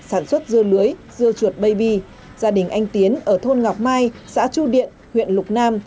sản xuất dưa lưới dưa chuột ba bi gia đình anh tiến ở thôn ngọc mai xã chu điện huyện lục nam